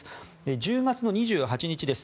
１０月２８日です。